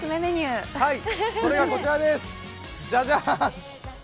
それがこちらです。